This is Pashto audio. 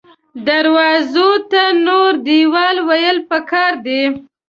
دروازو ته نور دیوال ویل پکار دې